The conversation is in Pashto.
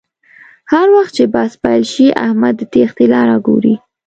هر وخت چې بحث پیل شي احمد د تېښتې لاره گوري